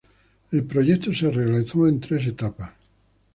El proyecto se realizó en tres etapas.